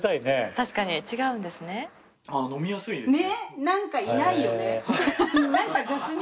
確かに違うんですね。